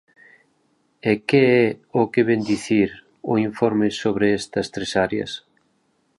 ¿E que é o que vén dicir o informe sobre estas tres áreas?